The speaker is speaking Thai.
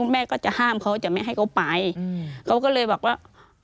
แม่ก็จะห้ามเขาจะไม่ให้เขาไปเขาก็เลยบอกว่า